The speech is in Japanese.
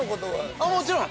◆ああ、もちろん！